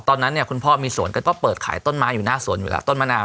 ตอนนั้นคุณพ่อมีสวนก็เปิดขายต้นม้าอยู่หน้าสวนอยู่หลังต้นมะนาว